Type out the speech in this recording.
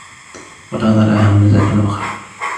وَلَقَدْ رَآهُ نَزْلَةً أُخْرَى